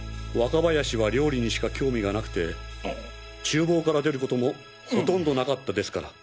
若林は料理にしか興味がなくて厨房から出ることもほとんどなかったですから。